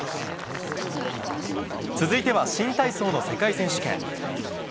続いては、新体操の世界選手権。